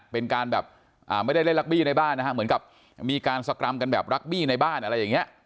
เป็นการแบบไม่ได้เล่นรักบี้ในบ้านนะฮะเหมือนกับมีการสกรรมกันแบบรักบี้ในบ้านอะไรอย่างนี้